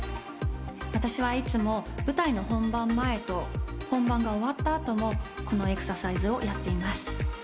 私はいつも舞台の本番前と本番が終わった後もこのエクササイズをやっています。